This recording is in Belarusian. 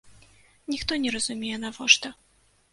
Ніхто не разумее, навошта.